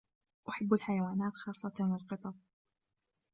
. أحبّ الحيوانات خاصّة القطط